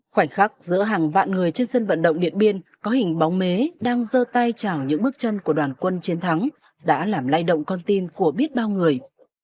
khoảnh khắc giữa hàng vạn người trên sân vận động điện biên có hình bóng mế đang dơ tay chào những bước chân của đoàn quân chiến thắng đã làm lay động con tin của biết bao người